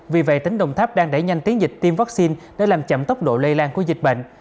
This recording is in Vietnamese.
vì vậy tỉnh đồng tháp đang đẩy nhanh tiến dịch tiêm vaccine để làm chậm tốc độ lây lan của dịch bệnh